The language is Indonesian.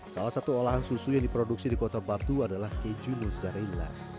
salah satu olahan susu yang diproduksi di kota batu adalah keju mozzarella